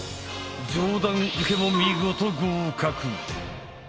上段受けも見事合格！